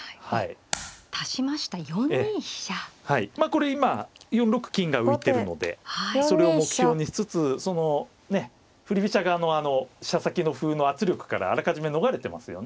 これ今４六金が浮いてるのでそれを目標にしつつ振り飛車側の飛車先の歩の圧力からあらかじめ逃れてますよね。